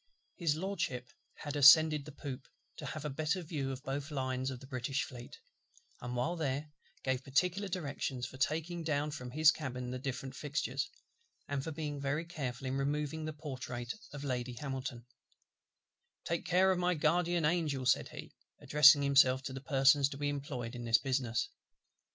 HIS LORDSHIP had ascended the poop, to have a better view of both lines of the British Fleet; and while there, gave particular directions for taking down from his cabin the different fixtures, and for being very careful in removing the portrait of Lady HAMILTON: "Take care of my Guardian Angel," said he, addressing himself to the persons to be employed in this business.